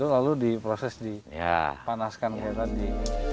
lalu di proses dipanaskan seperti tadi